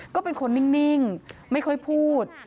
ก็เป็นคนนิ่งไม่ค่อยพูด